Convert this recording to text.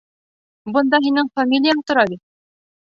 Бында һинең фамилияң тора бит.